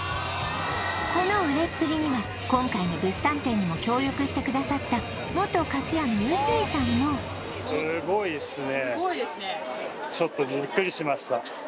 この売れっぷりには今回の物産展にも協力してくださった元かつやの臼井さんもすごいっすね